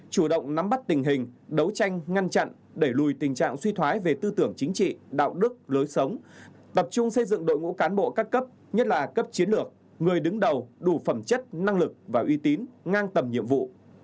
chủ động nắm bắt tình hình đấu tranh ngăn chặn đẩy lùi tình trạng suy thoái về tư tưởng chính trị đạo đức lối sống tập trung xây dựng đội ngũ cán bộ các cấp nhất là cấp chiến lược người đứng đầu đủ phẩm chất năng lực và uy tín ngang tầm nhiệm vụ